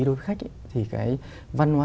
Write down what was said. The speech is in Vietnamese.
đối với khách thì cái văn hóa